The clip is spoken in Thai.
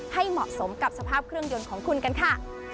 ให้เหมาะสมกับสภาพเครื่องยนต์ของคุณกันค่ะ